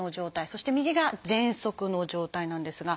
そして右がぜんそくの状態なんですが。